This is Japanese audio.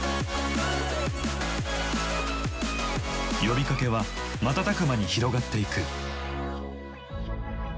呼びかけは瞬く間に広がっていく。